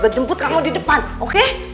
jemput kamu di depan oke